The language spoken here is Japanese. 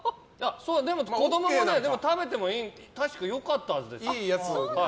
でも子供も食べても良かったはずです。